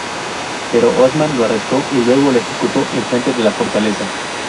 Pero Osmán lo arresto y luego lo ejecutó en frente de la fortaleza.